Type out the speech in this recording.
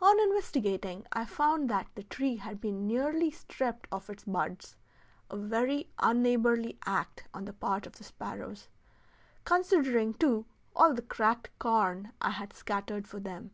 On investigating I found that the tree had been nearly stripped of its buds a very unneighborly act on the part of the sparrows, considering, too, all the cracked corn I had scattered for them.